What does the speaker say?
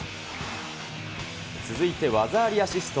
続いて技ありアシスト。